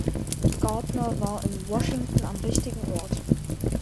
Gardner war in Washington am richtigen Ort.